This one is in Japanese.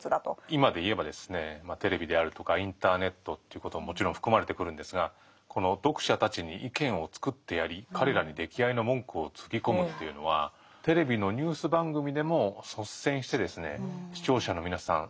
今でいえばテレビであるとかインターネットということももちろん含まれてくるんですがこの「読者たちに意見をつくってやり彼等に出来合いの文句をつぎこむ」というのはテレビのニュース番組でも率先して「視聴者の皆さん